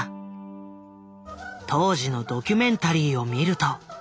当時のドキュメンタリーを見ると。